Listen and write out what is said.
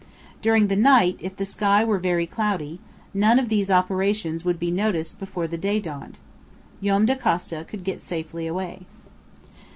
During the night, if the sky were very cloudy, none of these operations would be noticed before the day dawned. Joam Dacosta could get safely away.